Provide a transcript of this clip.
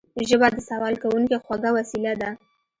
ژبه د سوال کوونکي خوږه وسيله ده